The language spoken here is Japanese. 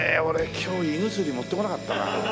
俺今日胃薬持ってこなかったな。